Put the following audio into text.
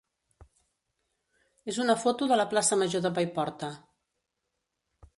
és una foto de la plaça major de Paiporta.